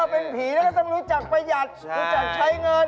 เป็นผีแล้วก็ต้องรู้จักประหยัดรู้จักใช้เงิน